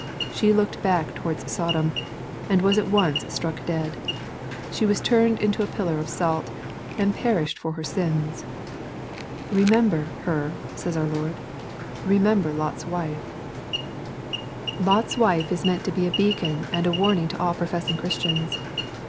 She looked back towards Sodom, and was at once struck dead. She was turned into a pillar of salt, and perished in her sins. '* Remember" her, says our Lord, —" Remember Lot's wife." 246 EXPOSITORY THOUGHTS. Lot's wife is meant to be a beacon and a warning to all professing Christians.